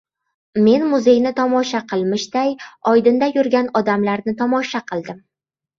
Men muzeyni tomosha qilmishday “Oydinda yurgan odamlar”ni tomosha qildim.